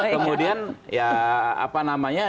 kemudian ya apa namanya